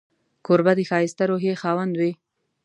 کوربه د ښایسته روحيې خاوند وي.